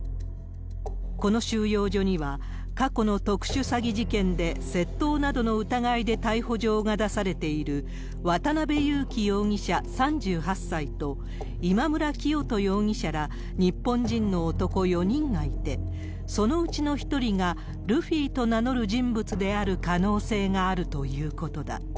この収容所には、過去の特殊詐欺事件で窃盗などの疑いで逮捕状が出されている渡辺優樹容疑者３８歳と、いまむらきよと容疑者ら、日本人の男４人がいて、そのうちの１人が、ルフィと名乗る人物である可能性があるということだ。